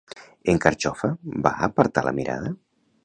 En Carxofa va apartar la mirada?